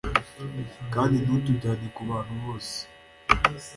kandi ntutujyanye ku bantu bose